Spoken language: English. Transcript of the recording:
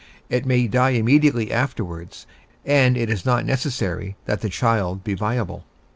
It may die immediately afterwards, and it is not necessary that the child be viable.